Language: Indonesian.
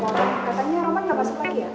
katanya roman gak masuk lagi ya